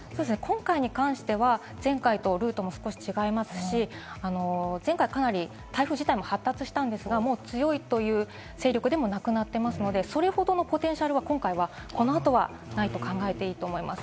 今回に関しては前回とルートも少し違いますし、前回かなり台風自体も発達したんですが、もう強いという勢力でもなくなっていますので、それほどのポテンシャルは、この後はないと考えています。